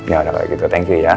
gak ada apa apa gitu thank you ya